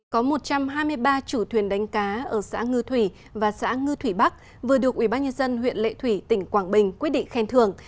có một trăm hai mươi ba chủ thuyền đánh cá ở xã ngư thủy và xã ngư thủy bắc vừa được ubnd huyện lệ thủy tỉnh quảng bình quyết định khen thường